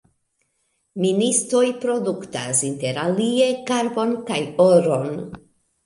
Ministoj produktas interalie karbon kaj oron.